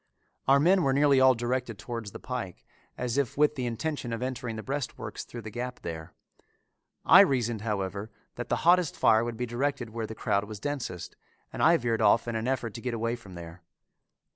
Our men were nearly all directed towards the pike as if with the intention of entering the breastworks through the gap there. I reasoned, however, that the hottest fire would be directed where the crowd was densest, and I veered off in an effort to get away from there.